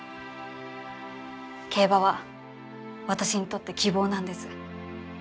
競馬は私にとって希望なんです。